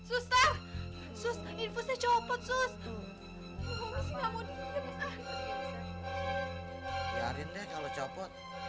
umi sih udah dihidupin deh kalo copot